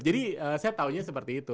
jadi saya taunya seperti itu